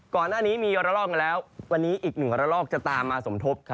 ก่อนหน้านี้มีวันละรอกอยู่แล้ววันนี้อีกหนึ่งวันละรอกจะตามมาสมทบ